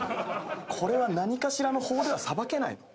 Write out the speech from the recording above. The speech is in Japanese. これは何かしらの法で裁けないの？